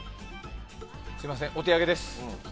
すみません、お手上げです。